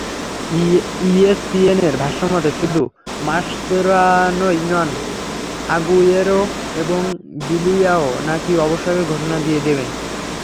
ইএসপিএনের ভাষ্যমতে, শুধু মাসচেরানোই নন, আগুয়েরো এবং বিলিয়াও নাকি অবসরের ঘোষণা দিয়ে দেবেন।